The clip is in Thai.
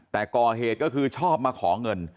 แต่ก่อเหตุก็คือชอบมาขอเงิน